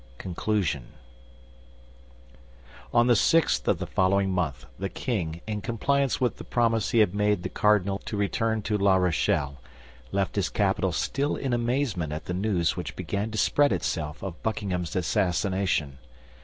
CONCLUSION On the sixth of the following month the king, in compliance with the promise he had made the cardinal to return to La Rochelle, left his capital still in amazement at the news which began to spread itself of Buckingham's assassination.